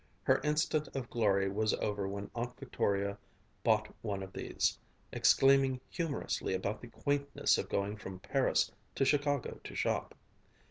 Her instant of glory was over when Aunt Victoria bought one of these, exclaiming humorously about the quaintness of going from Paris to Chicago to shop.